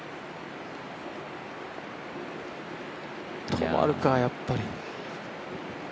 止まるか、やっぱり。